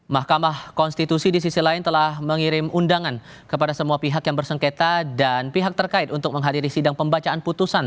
mahkamah konstitusi di sisi lain telah mengirim undangan kepada semua pihak yang bersengketa dan pihak terkait untuk menghadiri sidang pembacaan putusan